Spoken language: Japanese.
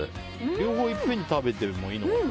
両方いっぺんに食べてもいいのかな。